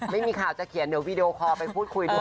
ไม่มีข่าวจะเขียนเดี๋ยววีดีโอคอลไปพูดคุยด้วย